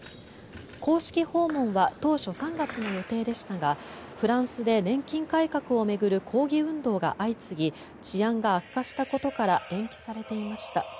公式訪問は当初３月の予定でしたがフランスで年金改革を巡る抗議運動が相次ぎ治安が悪化したことから延期されていました。